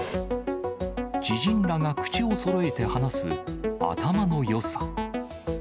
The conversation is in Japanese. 知人らが口をそろえて話す頭のよさ。